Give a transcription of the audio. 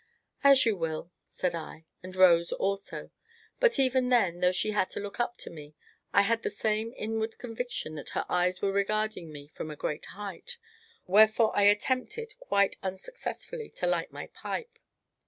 "As you will," said I, and rose also; but, even then, though she had to look up to me, I had the same inward conviction that her eyes were regarding me from a great height; wherefore I, attempted quite unsuccessfully to light my pipe.